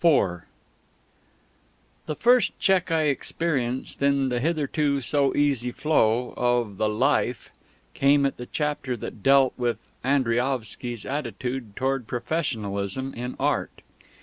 IV The first check I experienced in the hitherto so easy flow of the "Life" came at the chapter that dealt with Andriaovsky's attitude towards "professionalism" in Art.